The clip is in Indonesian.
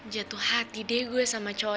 jatuh hati deh gue sama cowok